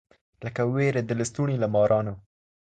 لکه وېره د لستوڼي له مارانو